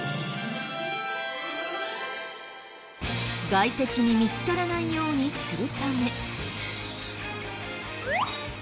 外敵に見つからないようにするため。